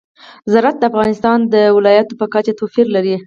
زراعت د افغانستان د ولایاتو په کچه توپیر لري.